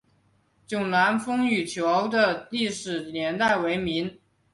迥澜风雨桥的历史年代为明。